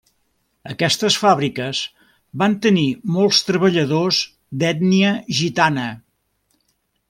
Aquestes fàbriques van tenir molts treballadors d'ètnia gitana.